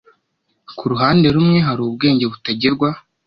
Ku ruhande rumwe hari ubwenge butagerwa,